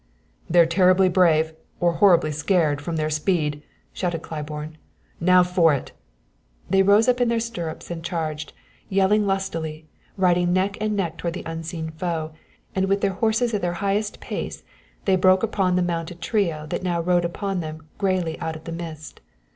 "They're terribly brave or horribly seared, from their speed," shouted Claiborne. "Now for it!" They rose in their stirrups and charged, yelling lustily, riding neck and neck toward the unseen foe, and with their horses at their highest pace they broke upon the mounted trio that now rode upon them grayly out of the mist.